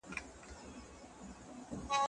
زه هره ورځ سبزیحات وچوم؟!